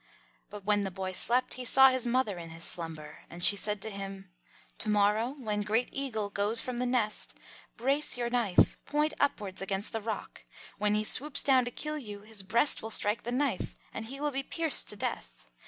But when the boy slept, he saw his mother in his slumber. And she said to him, "To morrow when Great Eagle goes from the nest, brace your knife, point upwards, against the rock. When he swoops down to kill you his breast will strike the knife, and he will be pierced to death.